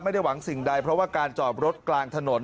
ไม่ได้หวังสิ่งใดเพราะว่าการจอดรถกลางถนน